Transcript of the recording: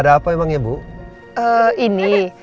satu pertanyaan mas